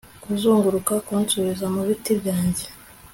kuzunguruka kunsubiza mubiti byanjye